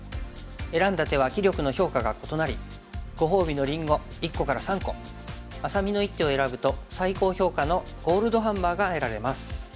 選んだ手は棋力の評価が異なりご褒美のりんご１個から３個愛咲美の一手を選ぶと最高評価のゴールドハンマーが得られます。